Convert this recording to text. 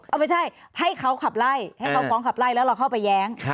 เอาไม่ใช่ให้เขาขับไล่ให้เขาฟ้องขับไล่แล้วเราเข้าไปแย้ง